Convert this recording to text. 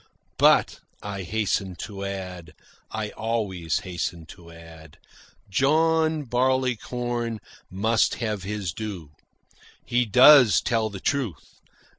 "But," I hastened to add (I always hasten to add), "John Barleycorn must have his due. He does tell the truth.